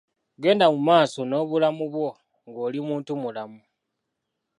Genda mu maaso nobulamu bwo ng'oli muntu mulamu.